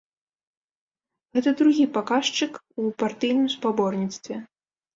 Гэта другі паказчык у партыйным спаборніцтве.